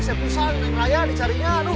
smp san raya dicariinnya aduh